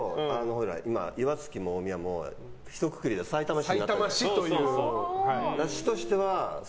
岩槻も大宮もひとくくりでさいたま市になったから。